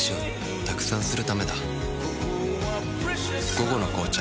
「午後の紅茶」